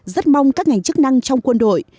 rất mong các ngành chức năng trong quân đội